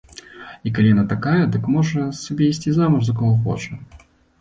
І калі яна такая, дык можа сабе ісці замуж за каго хоча.